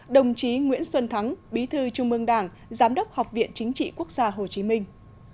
đồng chí nguyễn xuân thắng bí thư trung ương đảng giám đốc học viện chính trị quốc gia hồ chí minh